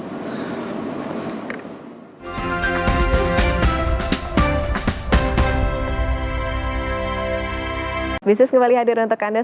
saudara saya masih bersama dengan direktur retail funding and distribution bri pak andrianto